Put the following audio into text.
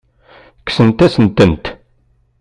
Kksent-asent-tent.